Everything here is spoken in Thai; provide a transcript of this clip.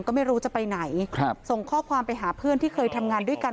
ก็ไม่รู้จะไปไหนครับส่งข้อความไปหาเพื่อนที่เคยทำงานด้วยกัน